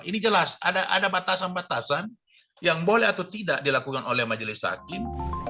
ini jelas ada batasan batasan yang boleh atau tidak dilakukan oleh majelis hakim